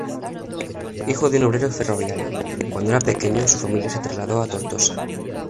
Hijo de un obrero ferroviario, cuando era pequeño su familia se trasladó a Tortosa.